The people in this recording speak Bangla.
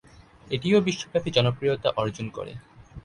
এটিও বিশ্বব্যাপী জনপ্রিয়তা অর্জন করে।